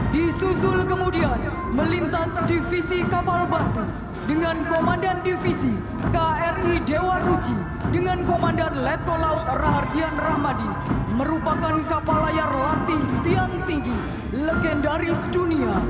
disusul kemudian melintas divisi kapal bah dengan komandan divisi kri dewa ruci dengan komandan letko laut raardian rahmadi merupakan kapal layar latih tiang tinggi legendaris dunia